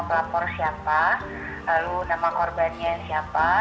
pelapor siapa lalu nama korbannya siapa